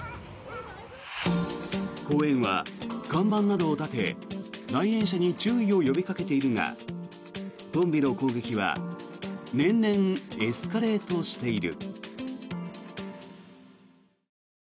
公園は看板などを立て来園者に注意を呼びかけているがトンビの攻撃は年々エスカレートしている。